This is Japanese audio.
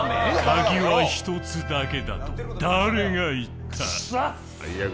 鍵は一つだけだと誰が言った。